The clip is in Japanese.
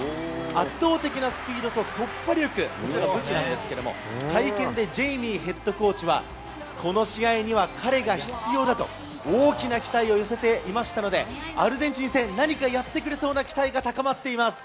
圧倒的なスピードと突破力、武器なんですけれども、会見でジェイミーヘッドコーチは、この試合には彼が必要だと、大きな期待を寄せていましたので、アルゼンチン戦、何かやってくれそうな期待が高まっています。